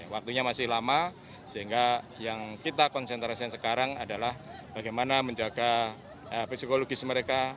waktunya masih lama sehingga yang kita konsentrasikan sekarang adalah bagaimana menjaga psikologis mereka